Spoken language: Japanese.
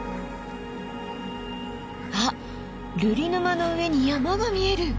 あっるり沼の上に山が見える。